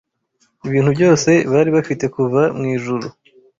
ibintu byose bari bafite kuva mwijuru